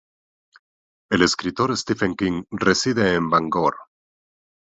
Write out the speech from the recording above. El escritor Stephen King reside en Bangor.